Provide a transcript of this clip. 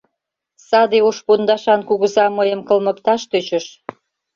— Саде ош пондашан кугыза мыйым кылмыкташ тӧчыш.